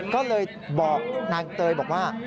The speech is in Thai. ก็เลยบอกนางเตยบอกว่า